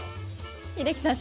英樹さん